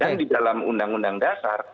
dan di dalam undang undang dasar